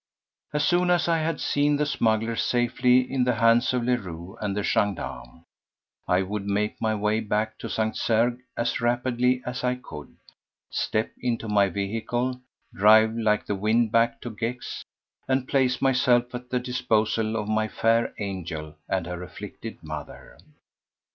As soon as I had seen the smugglers safely in the hands of Leroux and the gendarmes, I would make my way back to St. Cergues as rapidly as I could, step into my vehicle, drive like the wind back to Gex, and place myself at the disposal of my fair angel and her afflicted mother.